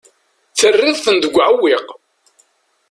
Terriḍ-ten deg uɛewwiq.